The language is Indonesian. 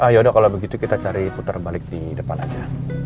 ya udah kalau begitu kita cari putar balik di depan aja